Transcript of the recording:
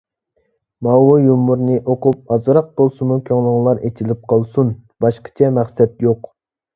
ماۋۇ يۇمۇرنى ئوقۇپ، ئازراق بولسىمۇ كۆڭلۈڭلار ئېچىلىپ قالسۇن. باشقىچە مەقسەت يوق.